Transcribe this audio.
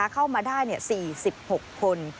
เข้ามาได้๔๖คน